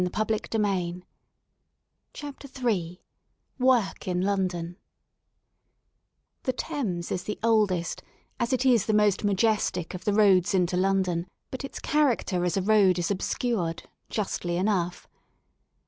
62 WORK IN LONDON CHAPTER III WORK IN LONDON THE Thames is the oldest, as it is the most majestic of the roads into London, but its character as a road is obscured, justly enough.